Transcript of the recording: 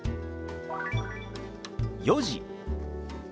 「４時」。